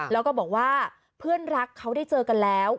แล้วก็บอกว่าเพื่อนรักเขาได้เจอกันแล้ว